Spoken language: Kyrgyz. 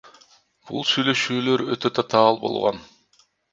Бул сүйлөшүүлөр өтө татаал болгон.